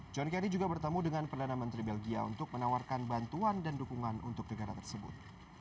john kerry juga bertemu dengan perdana menteri belgia untuk menawarkan bantuan dan dukungan untuk negara tersebut